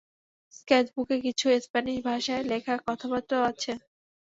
স্কেচবুকে কিছু স্প্যানিশ ভাষায় লেখা কথাবার্তাও আছে।